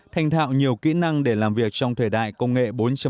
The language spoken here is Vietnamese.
thành thạo nhiều kỹ năng để làm việc trong thời đại công nghệ bốn